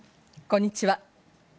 こんにちは。